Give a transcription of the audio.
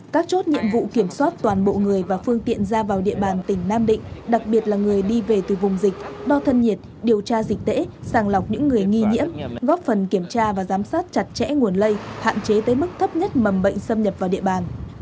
các chốt nhiệm vụ kiểm soát toàn bộ người và phương tiện ra vào địa bàn tỉnh nam định đặc biệt là người đi về từ vùng dịch đo thân nhiệt điều tra dịch tễ sàng lọc những người nghi nhiễm góp phần kiểm tra và giám sát chặt chẽ nguồn lây hạn chế tới mức thấp nhất mầm bệnh xâm nhập vào địa bàn